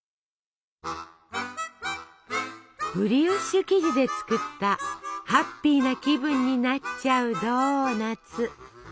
ブリオッシュ生地で作ったハッピーな気分になっちゃうドーナツ。